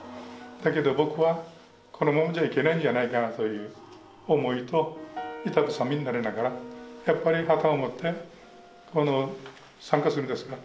だけど僕はこのままじゃいけないんじゃないかなという思いと板挟みになりながらやっぱり旗を持ってこの参加するんですね。